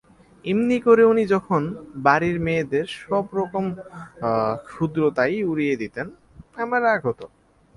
এমনি করে উনি যখন বাড়ির মেয়েদের সব রকম ক্ষুদ্রতাই উড়িয়ে দিতেন আমার রাগ হত।